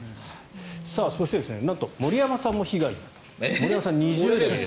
そして、なんと森山さんも被害に。